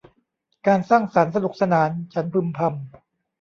การสร้างสรรค์สนุกสนาน ฉันพึมพำ